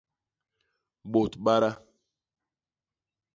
Bôt bada.